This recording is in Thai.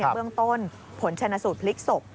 เบื้องต้นผลชนะสูตรพลิกศพ